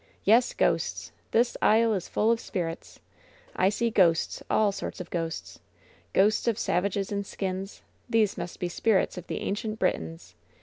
"Yes, ghosts! 'This isle is full of spirits.' I see ghosts I AH sorts of ghosts ! Ghosts of savages in skins ! These must be spirits of the ancient Britons